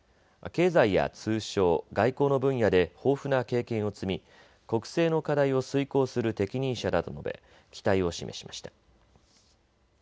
経済や通商、外交の分野で豊富な経験を積み国政の課題を遂行する適任者だと述べ期待を示しました。